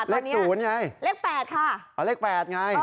ตอนเนี้ยเลขตูนไงเลขแปดค่ะอ๋อเลขแปดไงอ๋อ